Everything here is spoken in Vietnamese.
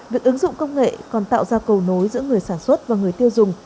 việc ứng dụng công nghệ còn tạo ra cầu nối giữa người sản xuất và người tiêu dùng